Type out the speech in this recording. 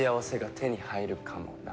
手に入るかもな。